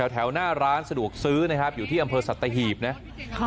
แถวหน้าร้านสะดวกซื้อนะครับอยู่ที่อำเภอสัตหีบนะ